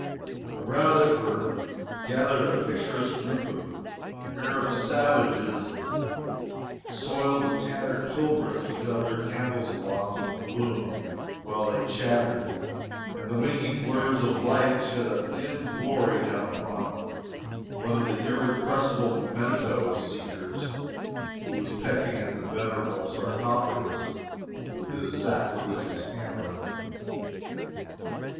Around it were gathered a picturesque group of Arab savages and soiled and tattered pilgrims, who held their candles aloft in the gloom while they chattered, and the winking blurs of light shed a dim glory down upon one of the irrepressible memento seekers who was pecking at the venerable sarcophagus with his sacrilegious hammer.